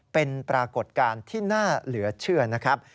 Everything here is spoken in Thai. เป็นปรากฏการณ์ที่น่าเหลือเชื่อนะครับ